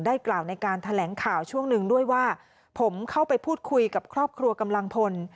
กล่าวในการแถลงข่าวช่วงหนึ่งด้วยว่าผมเข้าไปพูดคุยกับครอบครัวกำลังพล